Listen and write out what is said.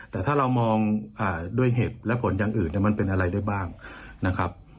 แต่ถ้าเรามองด้วยเหตุและผลอย่างอื่นมันเป็นอะไรด้วยบ้างนะครับ